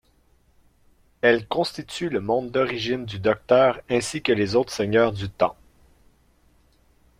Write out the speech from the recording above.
Elle constitue le monde d'origine du Docteur ainsi que des autres Seigneurs du Temps.